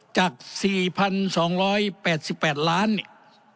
จากสี่พันสองร้อยแปดสิบแปดล้านเนี่ย